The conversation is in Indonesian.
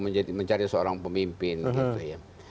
mencari seorang pemimpin gitu ya